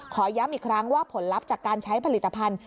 ย้ำอีกครั้งว่าผลลัพธ์จากการใช้ผลิตภัณฑ์